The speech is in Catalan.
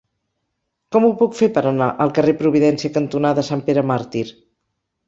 Com ho puc fer per anar al carrer Providència cantonada Sant Pere Màrtir?